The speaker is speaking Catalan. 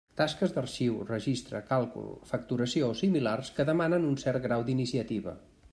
Tasques d'arxiu, registre, càlcul, facturació o similars que demanen un cert grau d'iniciativa.